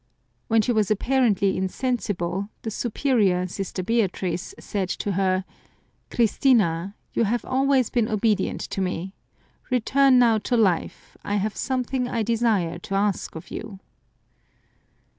When she was apparently insensible the Superior, Sister Beatrice, said to her, " Christina ! you have always been obedient to me ; return now to life, I have something I desire to ask of you."